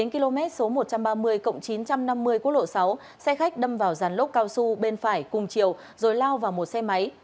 một nghìn một trăm ba mươi cộng chín trăm năm mươi quốc lộ sáu xe khách đâm vào rắn lốt cao su bên phải cùng chiều rồi lao vào một xe máy